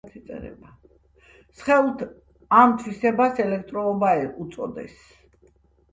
სხეულთა ამ თვისებას ელექტროობა უწოდეს.